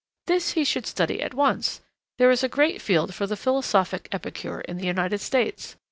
This he should study at once; there is a great field for the philosophic epicure in the United States.